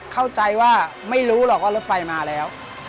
เข้าใจว่าไม่รู้หรอกว่ารถไฟมาแล้ว